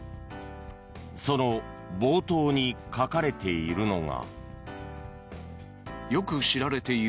その冒頭に書かれているのが。